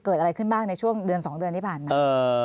เกิดอะไรขึ้นบ้างในช่วงเดือน๒เดือนที่ผ่านมา